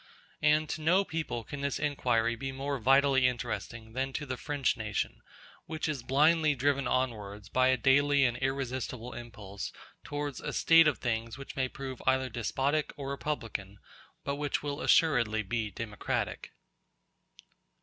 And to no people can this inquiry be more vitally interesting than to the French nation, which is blindly driven onwards by a daily and irresistible impulse towards a state of things which may prove either despotic or republican, but which will assuredly be democratic.